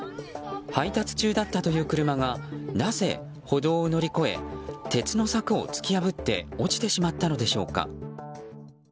配達中だったという車がなぜ歩道を乗り越え鉄の柵を突き破って落ちてしまったのでしょうか。